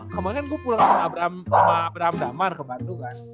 kemarin gue pulang sama abraham damar ke bandung kan